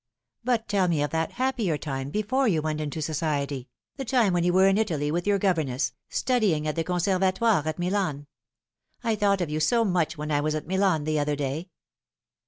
" But tell me of that happier time before you went into society the time when you were in Italy with your governess, studying at the Conservatoire at Milan. I thought of you so much when I was at Milan the other day."